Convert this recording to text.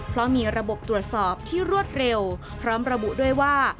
เพราะมีระบบตรวจสอบที่รวดเร็วพร้อมระบุด้วยว่า